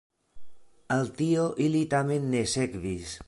Al tio ili tamen ne sekvis.